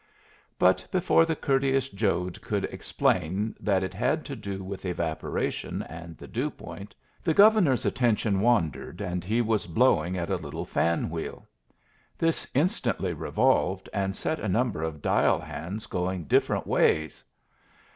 But before the courteous Jode could explain that it had to do with evaporation and the dew point, the Governor's attention wandered, and he was blowing at a little fan wheel. This instantly revolved and set a number of dial hands going different ways.